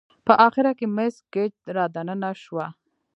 په اخره کې مس ګېج را دننه شوه.